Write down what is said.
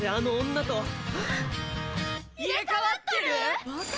２人：入れ替わってる？